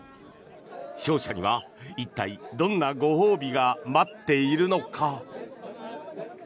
勝者には一体どんなご褒美が待っているのか。